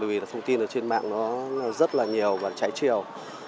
vì thông tin trên mạng rất nhiều và cháy chiều